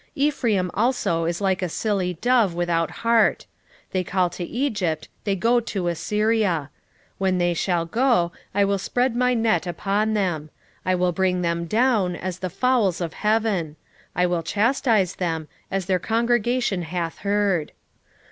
7:11 Ephraim also is like a silly dove without heart: they call to Egypt, they go to Assyria. 7:12 When they shall go, I will spread my net upon them; I will bring them down as the fowls of the heaven; I will chastise them, as their congregation hath heard.